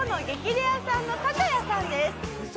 レアさんのタカヤさんです。